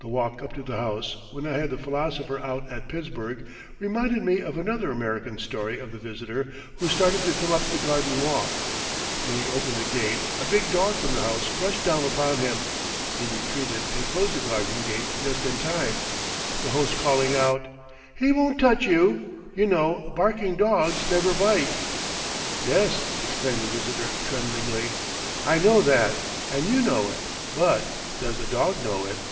The walk up to the house, when I had the philosopher out at Pittsburgh, reminded me of another American story of the visitor who started to come up the garden walk. When he opened the gate a big dog from the house rushed down upon him. He retreated and closed the garden gate just in time, the host calling out: "He won't touch you, you know barking dogs never bite." "Yes," exclaimed the visitor, tremblingly, "I know that and you know it, but does the dog know it?"